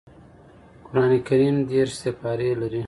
قران کريم دېرش سپاري لري